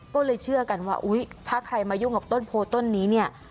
ก็เลยเชื่อกันว่าอุ๊ยถ้าใครมายุ่งกับต้นโพต้นนี้เนี่ย